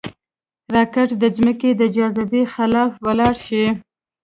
راکټ د ځمکې د جاذبې خلاف ولاړ شي